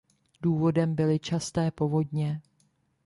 Důvodem byly časté povodně.